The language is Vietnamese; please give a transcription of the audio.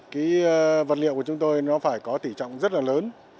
cái vật liệu của chúng tôi nó phải có tỉ trọng rất là lớn